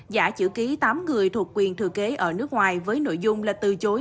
giả chữ ký tám người thuộc quyền thừa kế ở nước ngoài với nội dung là từ chối